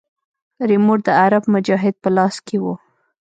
ريموټ د عرب مجاهد په لاس کښې و.